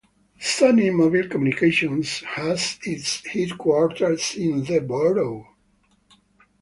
Sony Mobile Communications has its headquarters in the borough.